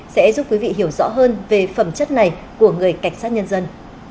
sẽ giúp quý vị hiểu rõ hơn về phẩm chất này của người cảnh sát nhân dân